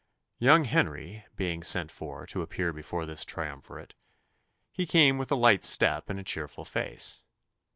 Young Henry being sent for to appear before this triumvirate, he came with a light step and a cheerful face.